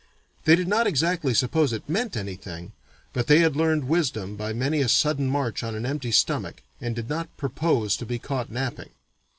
They did not exactly suppose it meant anything, but they had learned wisdom by many a sudden march on an empty stomach and did not propose to be caught napping.